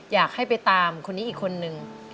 อยากให้ไปตามคนนี้อีกคนนึง